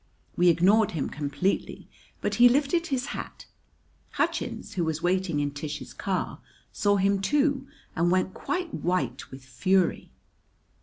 We ignored him completely, but he lifted his hat. Hutchins, who was waiting in Tish's car, saw him, too, and went quite white with fury.